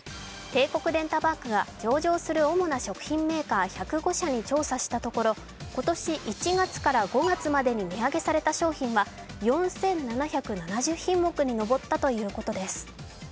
帝国データバンクが上場する主な食品メーカー１０５社に調査したところ今年１月から５月までに値上げされた商品は、４７７０品目に上ったということです。